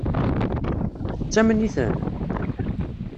Tettamen-iten?